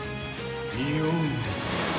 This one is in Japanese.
におうんですよ